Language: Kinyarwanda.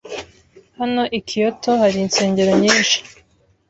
Hano i Kyoto hari insengero nyinshi.